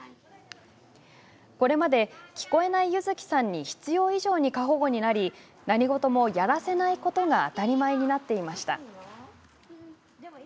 これまで聞こえない柚希さんに必要以上に過保護になり何事もやらせないことが当たり前になっていました。